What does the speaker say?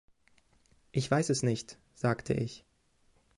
„Ich weiß es nicht“, sagte ich.